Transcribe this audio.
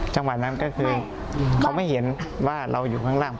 จังหวะนั้นก็คือเขาไม่เห็นว่าเราอยู่ข้างล่าง